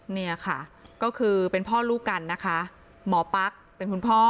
เนี่ยค่ะก็คือเป็นพ่อลูกกันนะคะหมอปั๊กเป็นคุณพ่อ